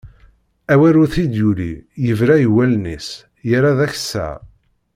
Awal ur t-id-yuli, yebra i wallen-is, yerra d akessar.